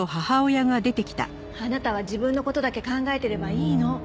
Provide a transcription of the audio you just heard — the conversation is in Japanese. あなたは自分の事だけ考えてればいいの。